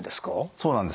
そうなんです。